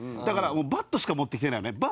だからバットしか持ってきてないよね。